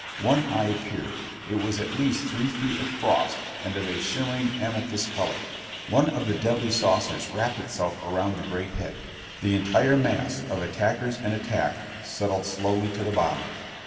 One eye appeared. It was at least three feet across and of a shimmering amethyst color. One of the deadly saucers wrapped itself around the great head. The entire mass of attackers and attacked settled slowly to the bottom.